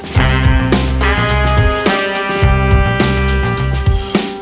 boleh mengisi hati kamu